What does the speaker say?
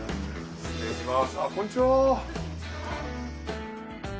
失礼します。